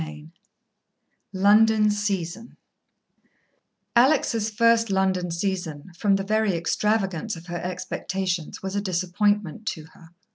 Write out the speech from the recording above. VII London Season Alex' first London season, from the very extravagance of her expectations, was a disappointment to her.